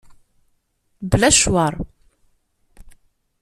Bla ccwer.